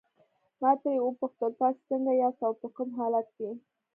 ما ترې وپوښتل تاسي څنګه یاست او په کوم حالت کې.